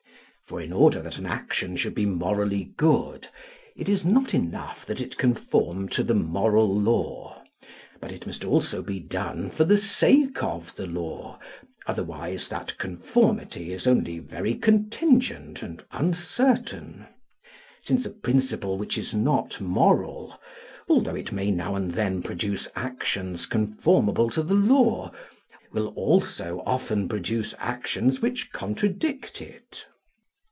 For in order that an action should be morally good, it is not enough that it conform to the moral law, but it must also be done for the sake of the law, otherwise that conformity is only very contingent and uncertain; since a principle which is not moral, although it may now and then produce actions conformable to the law, will also often produce actions which contradict it.